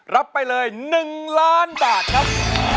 รับไปเลย๑ล้านบาทครับ